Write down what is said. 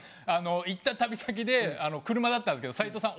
行った旅先で車だったんですけど斎藤さん